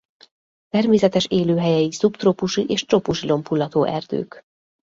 Természetes élőhelyei szubtrópusi és trópusi lombhullató erdők.